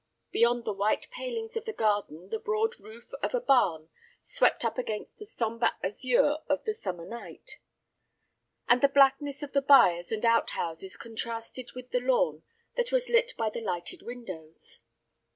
Beyond the white palings of the garden the broad roof of a barn swept up against the sombre azure of the summer night; and the blackness of the byres and outhouses contrasted with the lawn that was lit by the lighted windows.